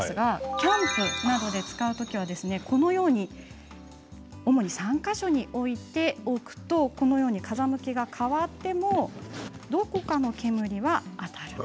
キャンプなどで使うときは主に３か所に置いておくと風向きが変わってもどこかの煙が当たる。